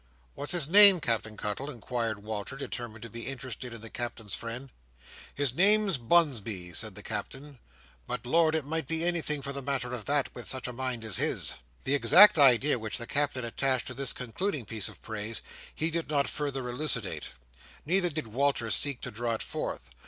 "What's his name, Captain Cuttle?" inquired Walter, determined to be interested in the Captain's friend. "His name's Bunsby," said the Captain. "But Lord, it might be anything for the matter of that, with such a mind as his!" The exact idea which the Captain attached to this concluding piece of praise, he did not further elucidate; neither did Walter seek to draw it forth.